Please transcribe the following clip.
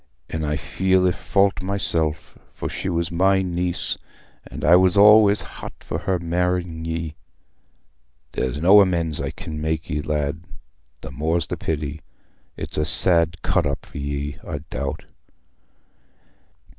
An' I feel i' fault myself, for she was my niece, and I was allays hot for her marr'ing ye. There's no amends I can make ye, lad—the more's the pity: it's a sad cut up for ye, I doubt."